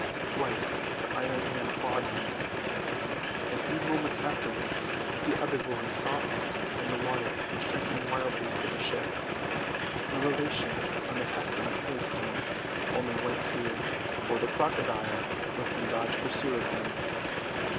Twice the iron hand clawed him. A few moments afterwards the other boys saw Hook in the water striking wildly for the ship; no elation on the pestilent face now, only white fear, for the crocodile was in dogged pursuit of him.